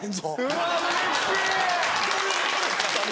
うわうれしい！